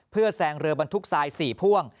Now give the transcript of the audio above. เพื่อแซงเรือบรรทุกทราย๔พ่วง